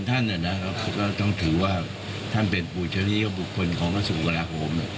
แบบนี้จะควรตำรับใจของคุณครับ